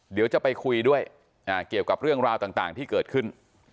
เดี๋ยวจะไปคุยด้วยเกี่ยวกับเรื่องราวต่างที่เกิดขึ้น